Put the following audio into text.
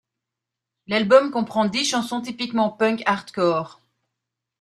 L'album comprend dix chansons typiquement punk hardcore.